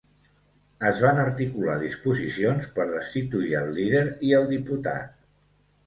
Es van articular disposicions per destituir el líder i el diputat.